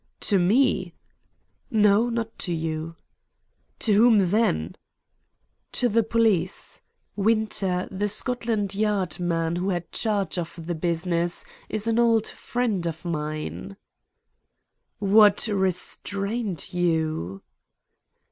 "To me?" "No, not to you." "To whom, then?" "To the police. Winter, the Scotland Yard man who had charge of the business, is an old friend of mine." "What restrained you?"